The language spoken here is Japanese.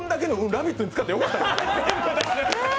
「ラヴィット！」に使ってよかった？